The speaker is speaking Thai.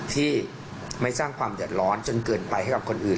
ที่ไม่สร้างความเดือดร้อนจนเกินไปให้กับคนอื่น